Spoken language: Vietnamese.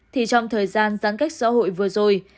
thì trong thời gian giãn cách xã hội vừa rồi